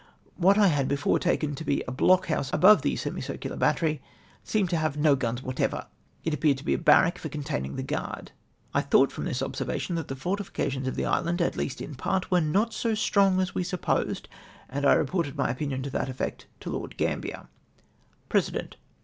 What I had before taken to be a block house above the semicircular battery seemed to have no guns whatever; it appeared to be a barrack for containing the guard. I thought from this observation that the fortifications of the island, at least in that part, were '}iot so strong as we supposed, and I reported my opinion to that effect to Lord Grambier." President.